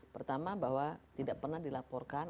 pertama bahwa tidak pernah dilaporkan